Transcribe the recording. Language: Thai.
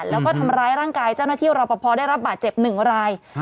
แล้วก็ทำร้ายร่างกายเจ้าหน้าที่รอปภได้รับบาดเจ็บหนึ่งราย